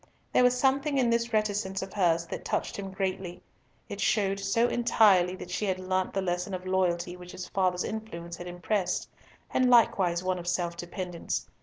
There was something in this reticence of hers that touched him greatly; it showed so entirely that she had learnt the lesson of loyalty which his father's influence had impressed, and likewise one of self dependence.